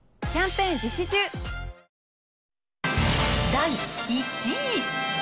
第１位。